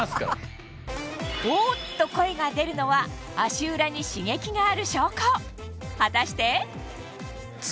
「おぉ」と声が出るのは足裏に刺激がある証拠果たして？